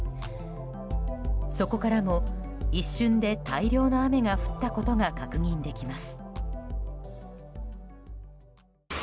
そこからも一瞬で大量の雨が降ったことが確認できます。